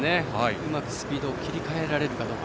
うまくスピードを切り替えられるかどうか。